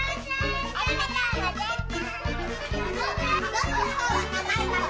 ありがとうございます。